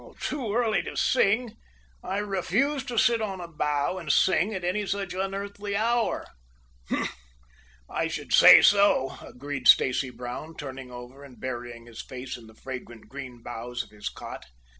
"Too early to sing. I refuse to sit on a bough and sing at any such unearthly hour." "Huh! I should say so," agreed Stacy Brown, turning over and burying his face in the fragrant green boughs of his cot.